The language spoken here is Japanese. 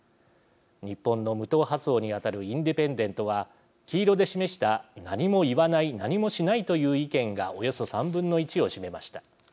日本の無党派層に当たるインディペンデントは黄色で示した何も言わない何もしないという意見がおよそ３分の１を占めました。